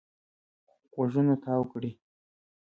غوږونه تاو کړي.